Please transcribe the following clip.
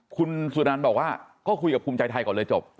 คุณสุนันบอกว่าก็คุยกับภูมิใจไทยก่อนเลยจบ